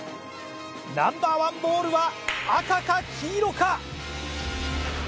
ナンバー１ボールは赤か黄色か？